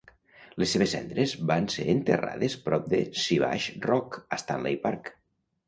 Les seves cendres van ser enterrades prop de Siwash Rock a Stanley Park.